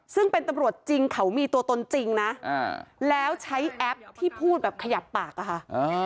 ซึ่งเป็นตำรวจจริงเขามีตัวตนจริงนะแล้วใช้แอปที่พูดแบบขยับปากอะค่ะ